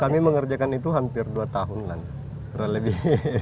kami mengerjakan itu hampir dua tahun lah kurang lebih